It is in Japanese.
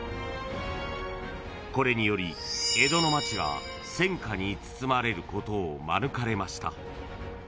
［これにより江戸の町が戦火に包まれることを免れました］